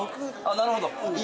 なるほど。